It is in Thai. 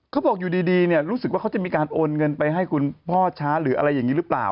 เขาบอกอยู่ดีเนี่ยรู้สึกว่าเขาจะมีการโอนเงินไปให้คุณพ่อช้าหรืออะไรอย่างนี้หรือเปล่า